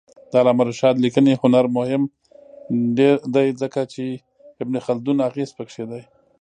د علامه رشاد لیکنی هنر مهم دی ځکه چې ابن خلدون اغېز پکې دی.